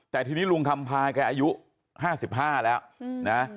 แต่ทีนี้ลุงคำพาแกอายุห้าสิบห้าแล้วอืมนะฮะ